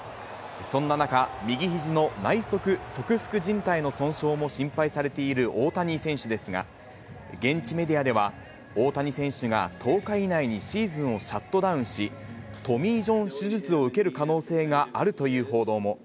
そんな中、右ひじの内側側副じん帯の損傷も心配されている大谷選手ですが、現地メディアでは、大谷選手が、１０日以内にシーズンをシャットダウンし、トミー・ジョン手術を受ける可能性があるという報道も。